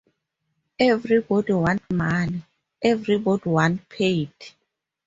Everybody want money, everybody want paid.